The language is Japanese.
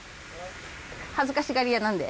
恥ずかしがり屋なので。